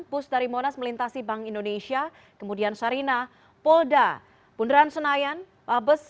bus dari monas melintasi bank indonesia kemudian sarina polda bundaran senayan mabes